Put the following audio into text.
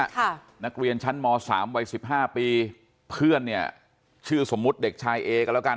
ค่ะนักเรียนชั้นมสามวัยสิบห้าปีเพื่อนเนี่ยชื่อสมมุติเด็กชายเอกันแล้วกัน